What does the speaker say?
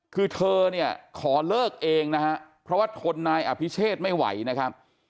คือเธอเนี่ยขอเลิกเองนะฮะเพราะว่าทนนายอภิเชษไม่ไหวนะครับ